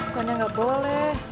pokoknya nggak boleh